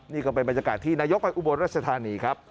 นี่ก็เป็นบรรยากาศที่นายกไปอุบลรัชธานีครับ